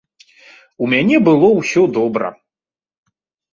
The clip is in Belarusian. У мяне было ўсё добра.